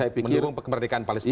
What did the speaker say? menurung kemerdekaan palestina